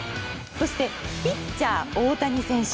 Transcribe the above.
そして、ピッチャー大谷選手